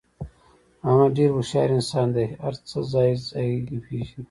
احمد ډېر هوښیار انسان دی. دې هر څه ځای ځایګی پېژني.